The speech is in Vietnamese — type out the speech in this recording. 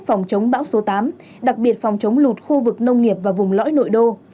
phòng chống bão số tám đặc biệt phòng chống lụt khu vực nông nghiệp và vùng lõi nội đô